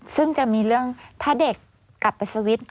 ซึ่งจะมีเรื่องถ้าเด็กกลับไปสวิตช์